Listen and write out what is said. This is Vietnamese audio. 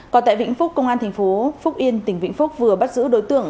còn tại vĩnh phúc công an thành phố phúc yên tỉnh vĩnh phúc vừa bắt giữ đối tượng